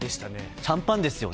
シャンパンですね。